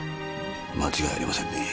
間違いありませんねぇ。